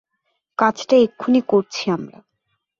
কাজটা এক্ষুণি করছি আমরা।